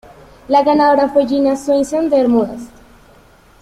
La ganadora fue Gina Swainson de Bermudas.